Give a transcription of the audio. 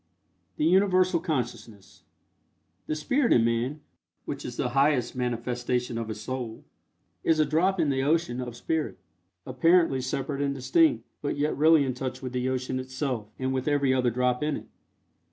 THE UNIVERSAL CONSCIOUSNESS. The Spirit in man, which is the highest manifestation of his Soul, is a drop in the ocean of Spirit, apparently separate and distinct, but yet really in touch with the ocean itself, and with every other drop in it.